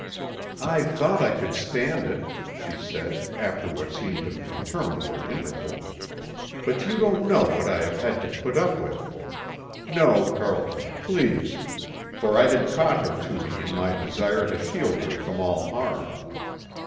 "I thought I could stand it," she said, after what seemed an interminable interval, "but you don't know what I have had to put up with. No, Carlton, please!" for I had caught her to me in my desire to shield her from all harm.